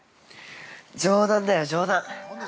冗談だよ、冗談。